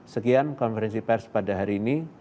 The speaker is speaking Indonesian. sekian konferensi pers pada hari ini